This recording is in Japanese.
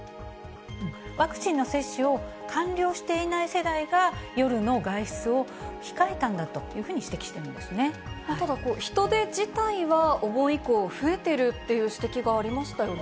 ワクチンの接種を完了していない世代が夜の外出を控えたんだというふうに指摘しているんですただ、人出自体はお盆以降、増えてるという指摘がありましたよね。